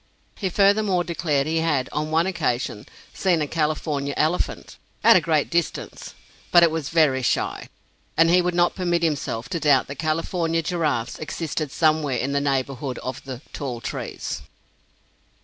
He furthermore declared he had, on one occasion, seen a California elephant, "at a great distance," but it was "very shy," and he would not permit himself to doubt that California giraffes existed somewhere in the neighborhood of the "tall trees."